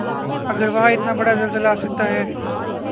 اگر وہاں اتنا بڑا زلزلہ آ سکتا ہے۔